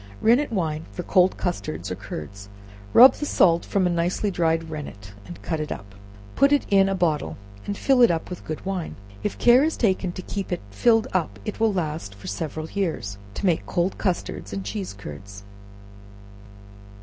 Rennet Wine for cold Custards or Curds. Rub the salt from a nicely dried rennet, and cut it up; put it in a bottle, and fill it up with good wine. If care is taken to keep it filled up, it will last for several years, to make cold custard and cheese curds.